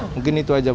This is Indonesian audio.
mungkin itu aja